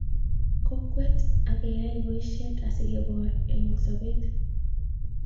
kokwet ak keyay boishet asigeboor eng sobet